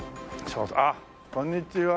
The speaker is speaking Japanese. あっこんにちは。